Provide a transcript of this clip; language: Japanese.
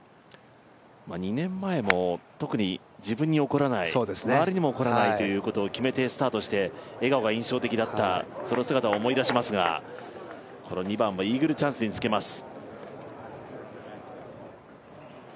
２年前も特に自分に怒らない周りにも怒らないということを決めて決めてスタートして笑顔が印象的だった、その姿を思い出しますがこの２番、イーグルチャンスにつけます。